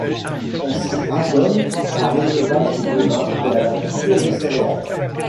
On s’y adonne à l’élevage de bovins et à la culture de céréales.